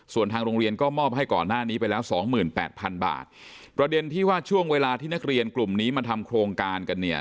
ส่วนทางโรงเรียนก็มอบให้ก่อนหน้านี้ไปแล้วสองหมื่นแปดพันบาทประเด็นที่ว่าช่วงเวลาที่นักเรียนกลุ่มนี้มาทำโครงการกันเนี่ย